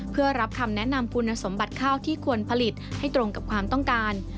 เพื่อรับคำแนะนำคุณสมบัติข้าวที่ควรผลิตให้ตรงกับความต้องการ